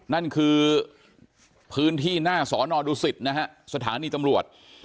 นั่นคือพื้นที่หน้าสอนอดูสิตนะฮะสถานีตำรวจ